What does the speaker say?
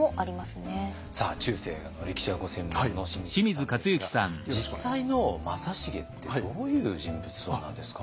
さあ中世の歴史がご専門の清水さんですが実際の正成ってどういう人物像なんですか？